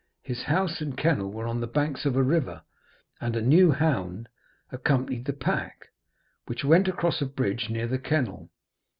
His house and kennel were on the banks of a river, and a new hound accompanied the pack, which went across a bridge near the kennel.